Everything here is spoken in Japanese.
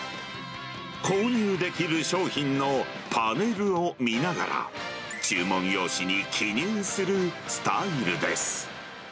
購入できる商品のパネルを見ながら、注文用紙に記入するスタイルです。